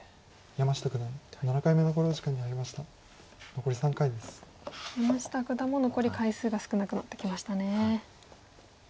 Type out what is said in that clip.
山下九段も残り回数が少なくなってきましたね。